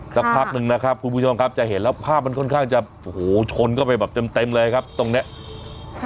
สักพักนึงนะครับคุณผู้ชมครับจะเห็นแล้วภาพมันค่อนข้างจะโอ้โหชนเข้าไปแบบเต็มเต็มเลยครับตรงเนี้ย